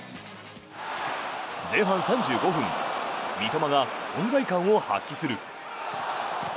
前半３５分三笘が存在感を発揮する。